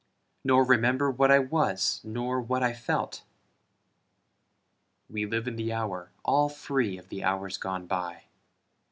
Nor remember what I was nor what I felt? We live in the hour all free of the hours gone by.